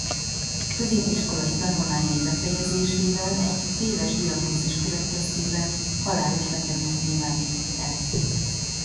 Középiskolai tanulmányai befejezésével egy téves diagnózis következtében halálos betegnek nyilvánították.